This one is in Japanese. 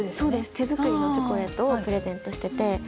手作りのチョコレートをプレゼントしてて。